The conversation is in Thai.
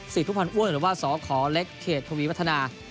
สิทธิ์ผู้พันธุ์อ้วนหรือว่าสอขอเล็กเขตธวีพัฒนา